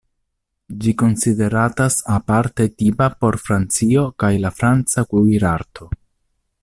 Ĝi konsideratas aparte tipa por Francio kaj la franca kuirarto.